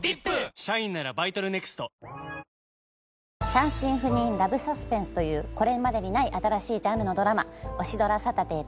単身赴任ラブサスペンスというこれまでにない新しいジャンルのドラマオシドラサタデー